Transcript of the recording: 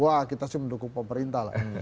wah kita sih mendukung pemerintah lah